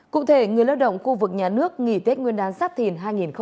cụ thể người lao động khu vực nhà nước nghỉ tết nguyên đán giáp thìn hai nghìn hai mươi bốn